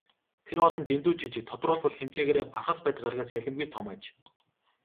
Тэр од нь дэндүү жижиг, тодруулбал хэмжээгээрээ Бархасбадь гаригаас ялимгүй том аж.